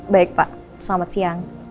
baik pak selamat siang